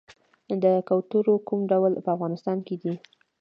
د کوترو کوم ډولونه په افغانستان کې دي؟